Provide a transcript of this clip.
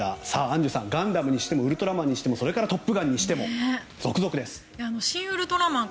アンジュさん「ガンダム」にしても「ウルトラマン」にしても「トップガン」にしても「シン・ウルトラマン」